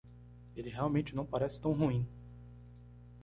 Ele realmente não parece tão ruim.